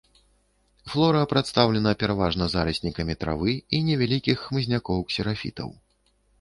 Флора прадстаўлена пераважна зараснікамі травы і невялікіх хмызнякоў-ксерафітаў.